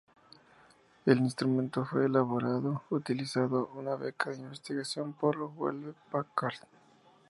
El instrumento fue elaborado utilizando una beca de investigación por Hewlett Packard.